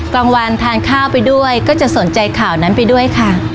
กลางวันทานข้าวไปด้วยก็จะสนใจข่าวนั้นไปด้วยค่ะ